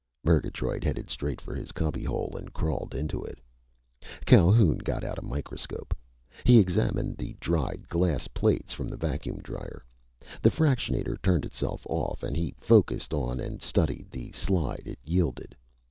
Murgatroyd headed straight for his cubbyhole and crawled into it. Calhoun got out a microscope. He examined the dried glass plates from the vacuum drier. The fractionator turned itself off and he focused on and studied the slide it yielded.